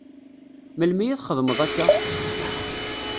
Melmi i txedmeḍ akka?